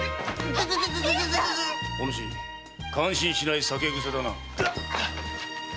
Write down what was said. おぬし感心しない酒癖だな。